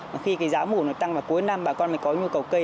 mà khi cái giá mủ nó tăng vào cuối năm bà con mới có nhu cầu cây